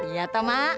iya tau mak